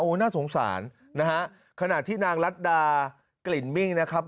น่าสงสารนะฮะขณะที่นางรัฐดากลิ่นมิ่งนะครับ